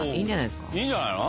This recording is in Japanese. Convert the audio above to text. いいんじゃないの？